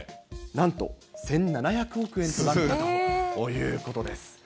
なんと１７００億円となったということです。